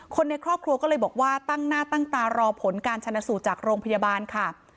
คนในครอบครัวก็เลยบอกว่าตั้งหน้าตั้งตารอผลการชนะสูตรจากโรงพยาบาลค่ะ